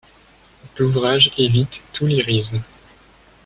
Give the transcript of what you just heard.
L'ouvrage évite tout lyrisme.